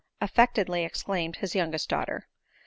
affectedly ex claimed his youngest daughter.